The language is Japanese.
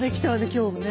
今日もね。